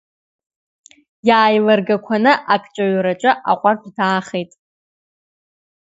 Иааилыргақәаны акҿаҩраҿы аҟәардә даахеит.